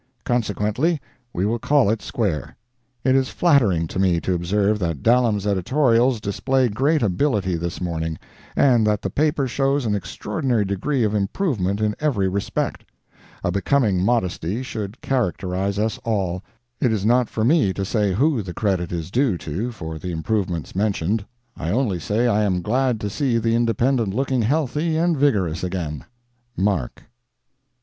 Consequently, we will call it square. It is flattering to me to observe that Dallam's editorials display great ability this morning, and that the paper shows an extraordinary degree of improvement in every respect. A becoming modesty should characterize us all—it is not for me to say who the credit is due to for the improvements mentioned. I only say I am glad to see the Independent looking healthy and vigorous again.—MARK.